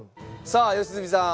さあ良純さん。